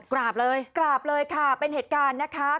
กราบเลยกราบเลยค่ะเป็นเหตุการณ์นะคะ